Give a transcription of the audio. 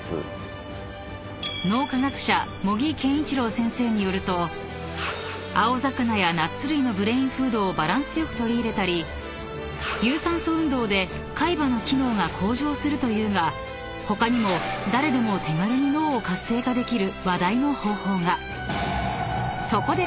［脳科学者茂木健一郎先生によると青魚やナッツ類のブレインフードをバランスよく取り入れたり有酸素運動で海馬の機能が向上するというが他にも誰でも手軽に脳を活性化できる話題の方法が］